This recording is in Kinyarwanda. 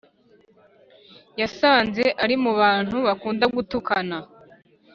yasanze ari mu bantu bakunda gutukana